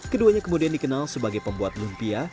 keduanya kemudian dikenal sebagai pembuat lumpia